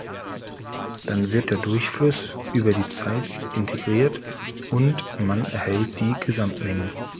Dann wird der Durchfluss über die Zeit integriert und man erhält die Gesamtmenge.